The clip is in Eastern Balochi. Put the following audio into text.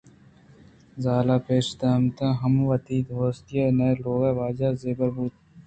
زالءَپسّہ داتمن ہم وتی دوستی ئیں لوگ واجہءَزِبہر بُوتاں